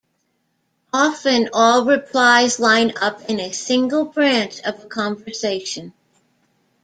Often all replies line up in a single branch of a conversation.